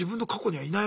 はい。